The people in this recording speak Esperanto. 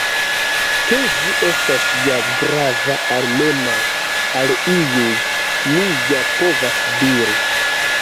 Ke ĝi estas ja grava almenaŭ al iuj, mi ja povas diri.